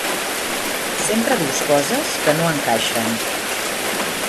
Sempre dius coses que no encaixen!